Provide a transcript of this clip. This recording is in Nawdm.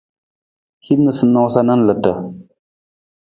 Hin noosanoosa na ludu.